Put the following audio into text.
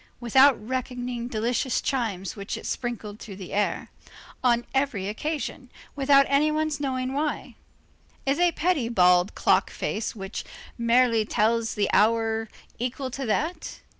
Without reckoning delicious chimes which it sprinkled through the air, on every occasion, without any one's knowing why. Is a petty bald clock face which merely tells the hour equal to that?